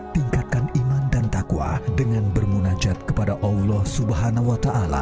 tingkatkan iman dan takwa dengan bermunajat kepada allah swt